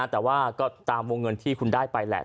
แต่ว่าก็ตามวงเงินที่คุณได้ไปแหละ